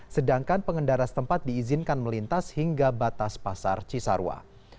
sedangkan pengendara setempat diizinkan melintas hingga batas pasar cisarua